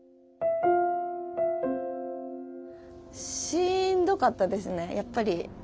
しんどかったですねやっぱり。